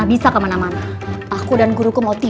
setelah menyampai badan dengan kanda